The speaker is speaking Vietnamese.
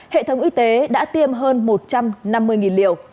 hệ thống y tế đã tiêm hơn một trăm năm mươi liều